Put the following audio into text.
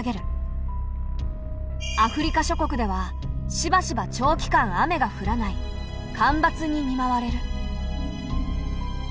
アフリカ諸国ではしばしば長期間雨が降らない干ばつに見舞われる。